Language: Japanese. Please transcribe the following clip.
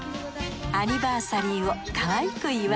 アニバーサリーをかわいく祝えます。